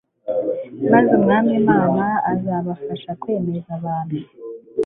Maze Umwami Imana azabafasha kwemeza abantu